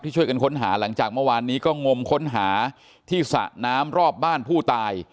ช่วยกันค้นหาหลังจากเมื่อวานนี้ก็งมค้นหาที่สระน้ำรอบบ้านผู้ตาย